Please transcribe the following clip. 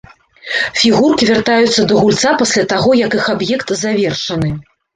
Фігуркі вяртаюцца да гульца пасля таго, як іх аб'ект завершаны.